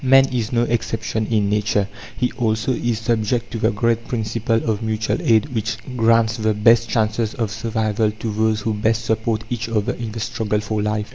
Man is no exception in nature. He also is subject to the great principle of Mutual Aid which grants the best chances of survival to those who best support each other in the struggle for life.